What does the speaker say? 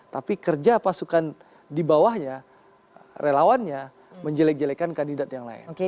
tapi kerja pasukan di bawahnya relawannya menjelek jelekkan kandidat yang lain